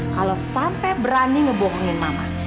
kalau sampai berani ngebohongin mama